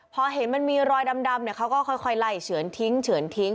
พอเห็นมันมีรอยดำเขาก็ค่อยไล่เฉือนทิ้งเฉือนทิ้ง